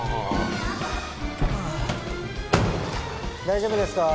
大丈夫ですか？